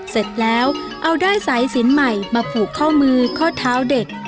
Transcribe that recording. เสร็จแล้วเอาได้สายสินใหม่มาผูกข้อมือข้อเท้าเด็ก